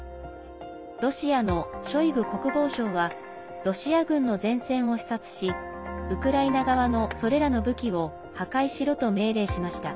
ロシアのショイグ国防相はロシア軍の前線を視察しウクライナ側の、それらの武器を破壊しろと命令しました。